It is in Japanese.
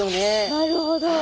なるほど。